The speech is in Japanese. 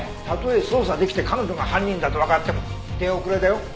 たとえ捜査できて彼女が犯人だとわかっても手遅れだよ。